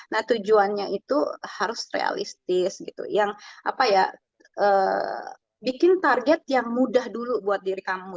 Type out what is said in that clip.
nah tujuannya itu harus realistis yang bikin target yang mudah dulu buat diri kamu